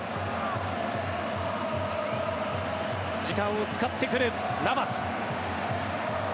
時間を使ってくるナバス。